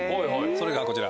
それがこちら。